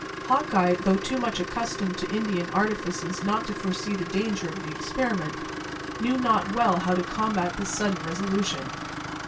Hawkeye, though too much accustomed to Indian artifices not to foresee the danger of the experiment, knew not well how to combat this sudden resolution.